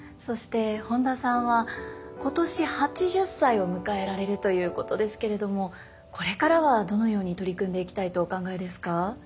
そして本田さんは今年８０歳を迎えられるということですけれどもこれからはどのように取り組んでいきたいとお考えですか。